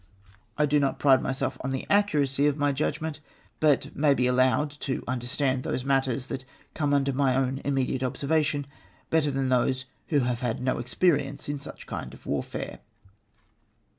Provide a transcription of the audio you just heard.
I do not pride myself on the accuracy of my judg ment, but may be allowed to understand those matters that come under my own immediate observation better than those who have had no experience in such kind of warfare.